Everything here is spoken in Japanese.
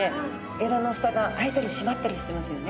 えらの蓋が開いたり閉まったりしてますよね。